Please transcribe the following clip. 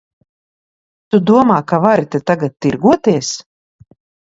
Tu domā, ka vari te tagad tirgoties?